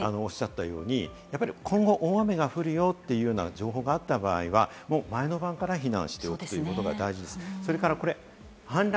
さっきおっしゃったように今後、大雨が降るよというような情報があった場合は前の晩から避難しておくということが大事です。